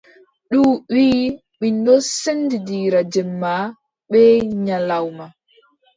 Ndu wii: mi ɗon sendindira jemma bee nyalawma.